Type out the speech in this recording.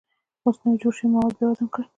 اوس نوي جوړ شوي مواد بیا وزن کړئ.